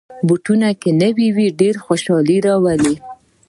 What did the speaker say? بوټونه که نوې وي، ډېر خوښي راولي.